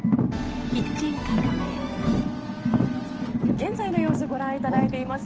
現在の様子ご覧いただいています。